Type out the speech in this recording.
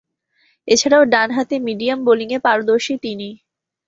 এছাড়াও, ডানহাতে মিডিয়াম বোলিংয়ে পারদর্শী তিনি।